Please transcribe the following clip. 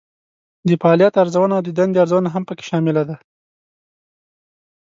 د فعالیت ارزونه او د دندې ارزونه هم پکې شامله ده.